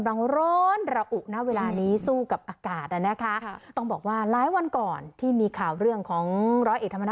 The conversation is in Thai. อันนี้ไม่ได้บอกคุณพั